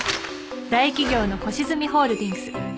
大企業の星積ホールディングス。